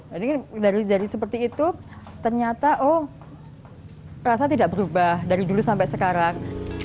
jadi dari seperti itu ternyata oh rasa tidak berubah dari dulu sampai sekarang